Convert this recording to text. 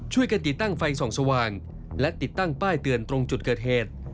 ช่วยกันติดตั้งไฟส่องสว่างและติดตั้งป้ายเตือนตรงจุดเกิดเหตุ